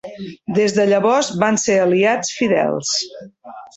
Des de llavors van ser aliats fidels.